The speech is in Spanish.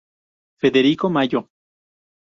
Federico Mayo.